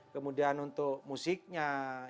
kemudian untuk musiknya